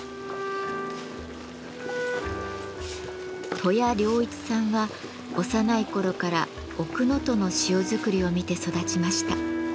登谷良一さんは幼い頃から奥能登の塩作りを見て育ちました。